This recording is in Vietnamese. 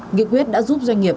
nghị quyết đã giúp doanh nghiệp